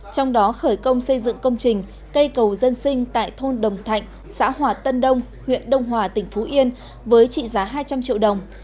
trong đó khởi công xây dựng công trình cây cầu dân sinh tại thôn đồng thạnh xã hòa tân đông huyện đông hòa tỉnh phú yên với trị giá hai trăm linh triệu đồng